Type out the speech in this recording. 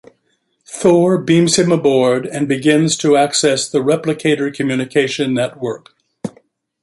Thor beams him aboard, and begins to access the Replicator communication network.